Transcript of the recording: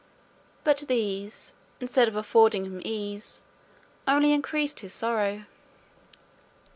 But these, instead of affording him ease, only increased his sorrow.